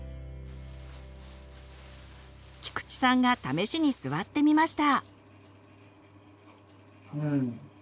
菊地さんが試しに座ってみました。